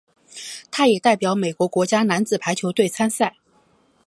他也代表美国国家男子排球队参赛。